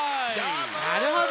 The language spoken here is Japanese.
なるほど！